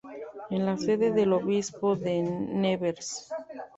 Es la sede del obispo de Nevers.